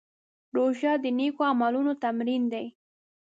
روژه د نېکو عملونو تمرین دی.